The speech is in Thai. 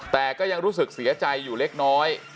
แต่ก็ยังรู้สึกเสียใจอยู่เล็กน้อย